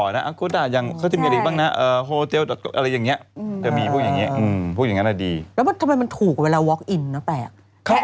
น่าจะเจอตายมากกว่านี้น่าจะมากกว่า๒๐ล้าน